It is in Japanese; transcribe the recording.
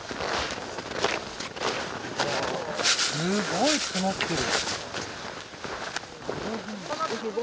すごい積もってる。